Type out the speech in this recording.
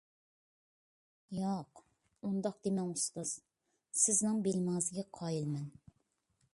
ياق، ئۇنداق دېمەڭ ئۇستاز، سىزنىڭ بىلىمىڭىزگە قايىل مەن!